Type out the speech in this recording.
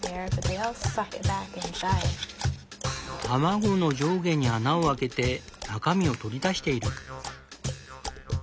卵の上下に穴をあけて中身を取り出している。